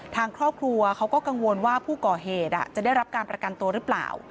ทางครอบครัวเขาก็กังวลว่าผู้ก่อเหตุจะได้รับการประกันตัวหรือเปล่า